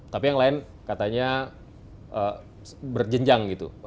tapi yang lain katanya berjenjang gitu